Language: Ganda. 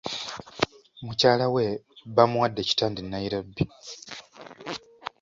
Mukyala we bamuwadde ekitanda e Nairobi.